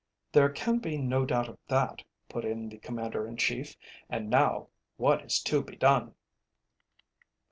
"There can be no doubt of that," put in the Commander in Chief. "And now, what is to be done?"